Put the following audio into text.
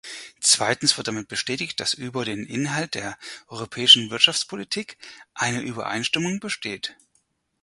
Zweitens wird damit bestätigt, dass über den Inhalt der europäischen Wirtschaftspolitik eine Übereinstimmung besteht.